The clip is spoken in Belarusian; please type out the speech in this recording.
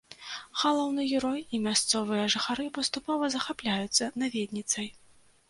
Галоўны герой і мясцовыя жыхары паступова захапляюцца наведніцай.